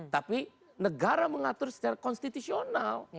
tapi negara mengatur secara konstitusional